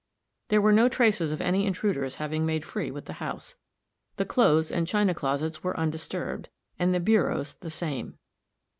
There were no traces of any intruders having made free with the house. The clothes and china closets were undisturbed, and the bureaus the same.